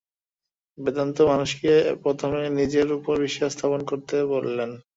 বেদান্ত মানুষকে প্রথমে নিজের উপর বিশ্বাস স্থাপন করিতে বলেন।